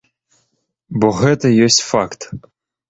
Бо гэта ёсць факт.